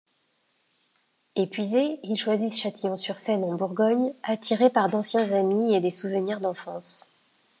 Epuisé, il choisit Châtillon-sur-Seine en Bourgogne, attiré par d’anciens amis et des souvenirs d’enfance.